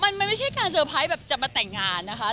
ว่าเขาแบบจะมีการเซอร์ไพร์ดังนี้คือมันไม่ใช่การเซอร์ไพร์ด